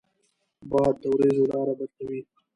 باد د ورېځو لاره بدلوي